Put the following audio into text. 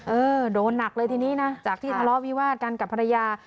เออโดนหนักเลยทีนี้นะจากที่ทะเลาะวิวาดกันกับภรรยา